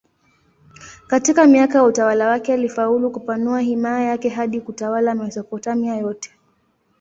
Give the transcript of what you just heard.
Katika miaka ya utawala wake alifaulu kupanua himaya yake hadi kutawala Mesopotamia yote.